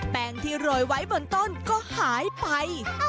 งที่โรยไว้บนต้นก็หายไป